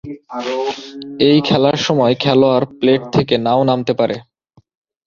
এই খেলার সময় খেলোয়াড় প্লেট থেকে না-ও নামতে পারে।